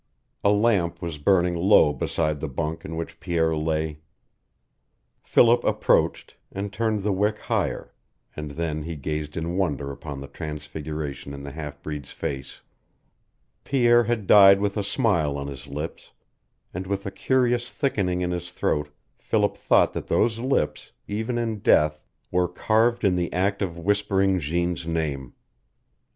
A lamp was burning low beside the bunk in which Pierre lay. Philip approached and turned the wick higher, and then he gazed in wonder upon the transfiguration in the half breed's face. Pierre had died with a smile on his lips; and with a curious thickening in his throat Philip thought that those lips, even in death, were craved in the act of whispering Jeanne's name.